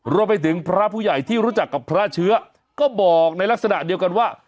รวมไปถึงพระผู้ใหญ่ที่รู้จักกับพระเชื้อก็บอกในลักษณะเดียวกันว่า